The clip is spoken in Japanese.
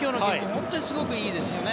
本当にすごくいいですよね。